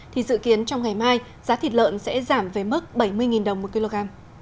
thì dự kiến trong ngày mai giá thịt lợn sẽ giảm về mức bảy mươi đồng một kg